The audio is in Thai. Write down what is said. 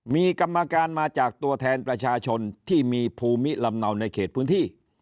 มีกรรมการมาจากตัวแทนประชาชนที่มีภูมิลำเนาในเขตพื้นที่